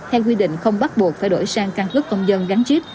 theo quy định không bắt buộc phải đổi sang căn cứ công dân gắn chip